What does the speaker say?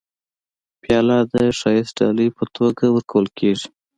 پیاله د ښایسته ډالۍ په توګه ورکول کېږي.